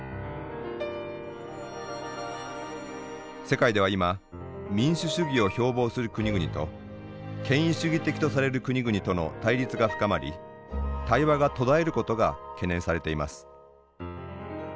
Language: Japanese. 世界では今民主主義を標ぼうする国々と権威主義的とされる国々との対立が深まり対話が途絶えることが懸念されています。